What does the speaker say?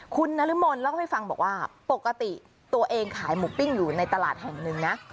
คุณนรมนเล่าให้ฟังบอกว่าปกติตัวเองขายหมูปิ้งอยู่ในตลาดแห่งหนึ่งนะ